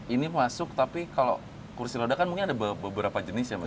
ini masuk tapi kalau kursi roda kan mungkin ada beberapa jenis ya mas